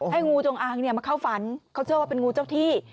งูจงอางมาเข้าฝันเขาเชื่อว่าเป็นงูเจ้าที่